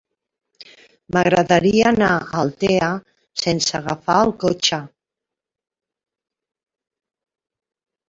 M'agradaria anar a Altea sense agafar el cotxe.